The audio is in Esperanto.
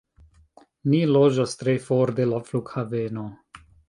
Ni loĝas tre for de la flughaveno